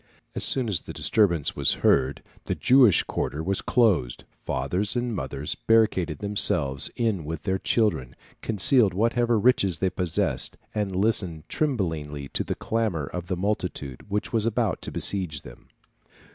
As soon as the disturbance was heard the Jewish quarter was closed; fathers and mothers barricaded themselves in with their children, concealed whatever riches they possessed, and listened tremblingly to the clamour of the multitude which was about to besiege them.